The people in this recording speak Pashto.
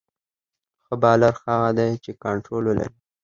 ښه بالر هغه دئ، چي کنټرول ولري.